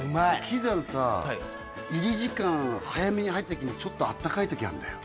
喜山さ入り時間早めに入った時にちょっとあったかい時あるんだよ